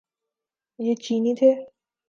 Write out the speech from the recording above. یہ چینی تھے۔